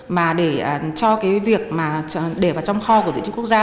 mà để cho cái việc mà để vào trong kho của dự trữ quốc gia